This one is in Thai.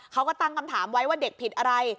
เขาก็ตั้งคำถามไว้ว่าเด็กผิดอะไร